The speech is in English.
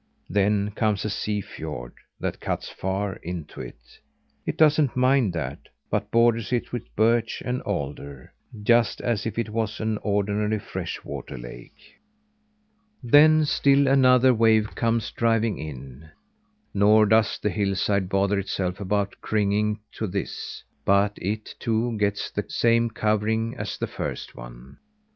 Then comes a sea fiord that cuts far into it. It doesn't mind that, but borders it with birch and alder, just as if it was an ordinary fresh water lake. Then still another wave comes driving in. Nor does the hillside bother itself about cringing to this, but it, too, gets the same covering as the first one.